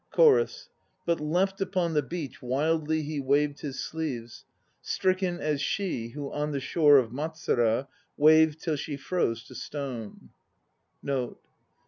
CHORUS. But left upon the beach, wildly he waved his sleeves, Stricken as she 2 who on the shore Of Matsura waved till she froze to stone.